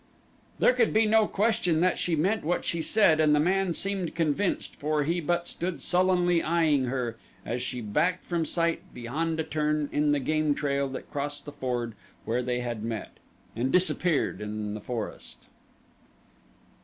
There could be no question that she meant what she said and the man seemed convinced for he but stood sullenly eyeing her as she backed from sight beyond a turn in the game trail that crossed the ford where they had met, and disappeared in the forest.